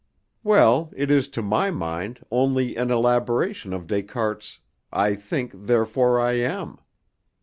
"Well, it is to my mind only an elaboration of Descartes' 'I think, therefore I am.'